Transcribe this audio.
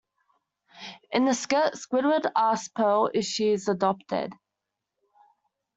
In the skit, Squidward asks Pearl if she is adopted.